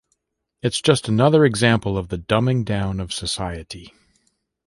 It's just another example of the dumbing down of society.